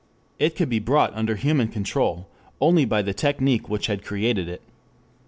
It could be brought under human control only by the technic which had created it.